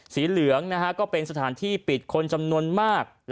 สีเหลืองก็เป็นสถานที่ปิดคนจำนวนมาก